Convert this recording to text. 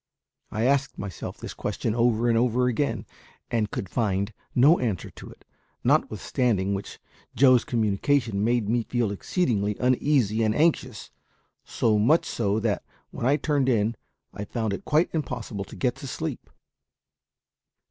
I asked myself this question over and over again, and could find no answer to it; notwithstanding which, Joe's communication made me feel exceedingly uneasy and anxious; so much so that, when I turned in, I found it quite impossible to get to sleep.